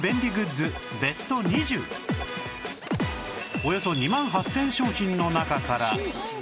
およそ２万８０００商品の中から